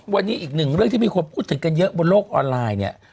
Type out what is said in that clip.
วันนี้อีกหนึ่งเรื่องที่มีคนพูดถึงกันเยอะบนโลกออนไลน์เนี่ย